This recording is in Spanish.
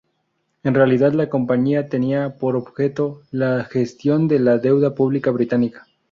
En realidad, la Compañía tenía por objeto la gestión de la deuda pública británica.